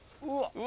うわ！